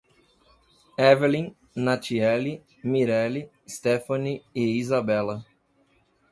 Evellyn, Natieli, Mireli, Sthefany e Izabella